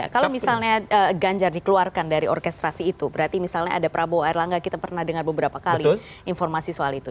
kalau misalnya ganjar dikeluarkan dari orkestrasi itu berarti misalnya ada prabowo erlangga kita pernah dengar beberapa kali informasi soal itu